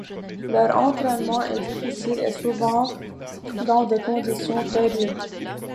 Leur entraînement est difficile et souvent dans des conditions très rudes.